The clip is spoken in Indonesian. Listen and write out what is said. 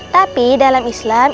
tapi dalam islam